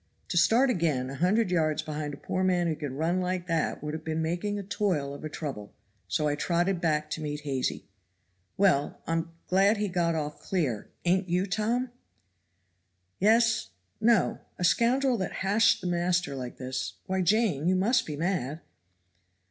To start again a hundred yards behind a poor man who could run like that would have been making a toil of a trouble, so I trotted back to meet Hazy. "Well, I am glad he got off clear ain't you, Tom?" "Yes no. A scoundrel that hashed the master like this why, Jane, you must be mad!"